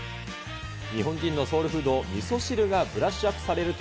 日本人のソウルフード、みそ汁がブラッシュアップされると。